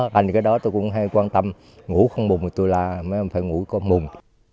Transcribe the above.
thành ra cái đó tôi cũng hay quan tâm ngủ không mùng thì tôi là mới không phải ngủ có mùng